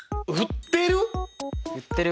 売ってる！？